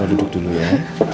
mama duduk dulu ya